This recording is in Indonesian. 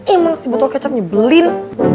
emang si botol kecapnya belin